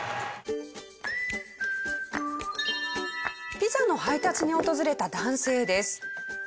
ピザの配達に訪れた男性です。